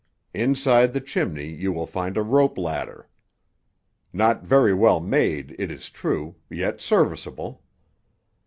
Inside the chimney you will find a rope ladder—not very well made, it is true, yet serviceable.